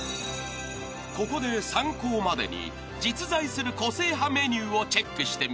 ［ここで参考までに実在する個性派メニューをチェックしてみると］